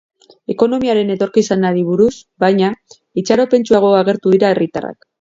Ekonomiaren etorkizunari buruz, baina, itxaropentsuago agertu dira herritarrak.